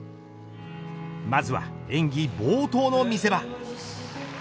まずは演技冒頭の見せ場。